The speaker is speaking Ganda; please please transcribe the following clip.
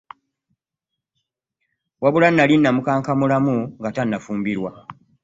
Wabula nnali namukankabulamu nga tannafumbirwa.